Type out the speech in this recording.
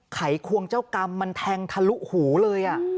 ไขควงเจ้ากรรมมันแทงทะลุหูเลย